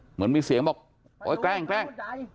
เหมือนมีเสียงบอกโอ๊ยแกล้ง